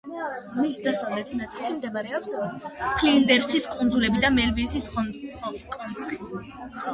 მის დასავლეთ ნაწილში მდებარეობს ფლინდერსის კუნძულები და მელვილის კონცხი.